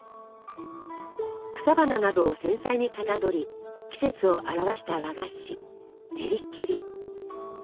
草花などを繊細にかたどり季節を表した和菓子ねりきり。